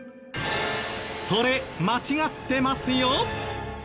それ間違ってますよ！